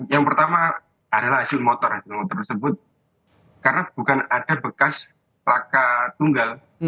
yang pertama adalah hasil motor hasil motor tersebut karena bukan ada bekas raka tunggal